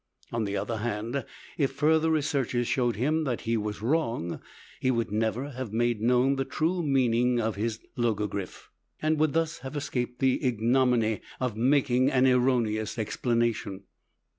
On the other hand, if further researches showed him that he was wrong, he would never have made known the true meaning of his logogriph, and would thus have escaped the ignominy of making an erroneous explanation.